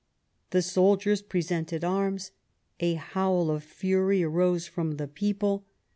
The soldiers presented arms. A howl of fury arose from the people.